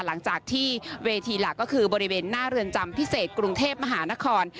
หลังจากที่เวทีหลักก็คือบริเวณหน้าเรือนจำพิเศษกรุงเทพมหานคร